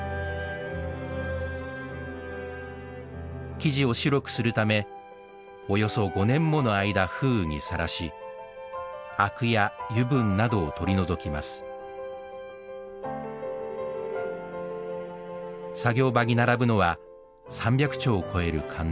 木地を白くするためおよそ５年もの間風雨にさらしあくや油分などを取り除きます作業場に並ぶのは３００丁を超えるかんな。